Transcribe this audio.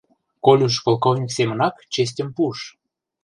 — Колюш полковник семынак честьым пуыш.